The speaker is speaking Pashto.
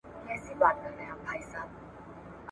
د هرات لرغونی ولایت یې !.